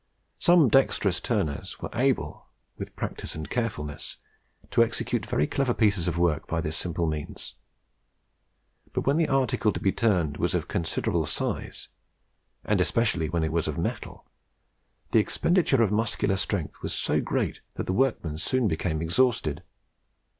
Some dexterous turners were able, with practice and carefulness, to execute very clever pieces of work by this simple means. But when the article to be turned was of considerable size, and especially when it was of metal, the expenditure of muscular strength was so great that the workman soon became exhausted.